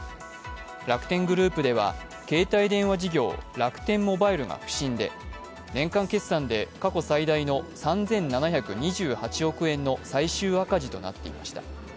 楽天グループでは携帯電話事業、楽天モバイルが不振で年間決算で過去最大の３７２８億円の最終赤字となっていました。